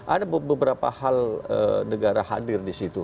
ada beberapa hal negara hadir disitu